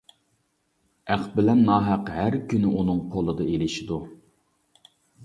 ھەق بىلەن ناھەق ھەر كۈنى ئۇنىڭ قولىدا ئېلىشىدۇ.